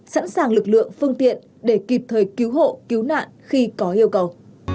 sẵn sàng lực lượng phương tiện để kịp thời cứu hộ cứu nạn khi có yêu cầu